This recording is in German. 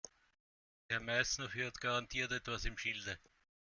Herr Meißner führt garantiert etwas im Schilde.